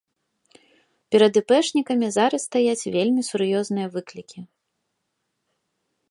Перад іпэшнікамі зараз стаяць вельмі сур'ёзныя выклікі.